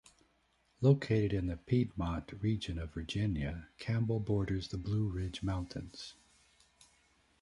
Located in the Piedmont region of Virginia, Campbell borders the Blue Ridge Mountains.